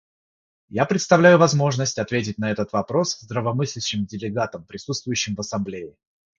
Я предоставлю возможность ответить на этот вопрос здравомыслящим делегатам, присутствующим в Ассамблее.